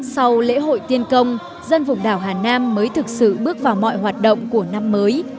sau lễ hội tiên công dân vùng đảo hà nam mới thực sự bước vào mọi hoạt động của năm mới